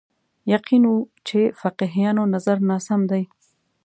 یقین و چې فقیهانو نظر ناسم دی